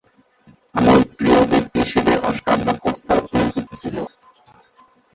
আমোদপ্রিয় ব্যক্তি হিসেবে অস্কার দা কস্তা’র পরিচিতি ছিল।